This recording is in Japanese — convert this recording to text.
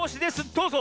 どうぞ！